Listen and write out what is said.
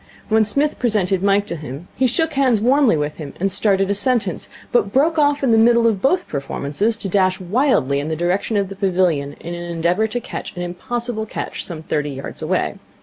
When Psmith presented Mike to him, he shook hands warmly with him and started a sentence, but broke off in the middle of both performances to dash wildly in the direction of the pavilion in an endeavour to catch an impossible catch some thirty yards away.